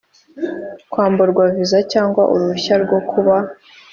Kwamburwa viza cyangwa uruhushya rwo kuba